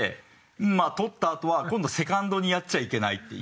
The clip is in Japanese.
まあ捕ったあとは今度セカンドにやっちゃいけないっていう。